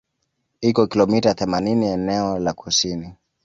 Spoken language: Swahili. Iko kilomita themanini eneo la kusini